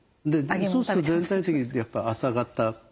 そうすると全体的にやっぱ朝型ですか？